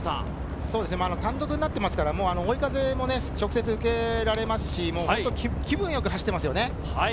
単独になっていますから、追い風も直接受けられますし、気分よく走っていますね。